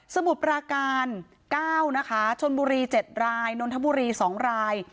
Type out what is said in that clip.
มุดปราการ๙นะคะชนบุรี๗รายนนทบุรี๒ราย